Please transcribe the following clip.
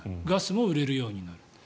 ガスも売れるようになる。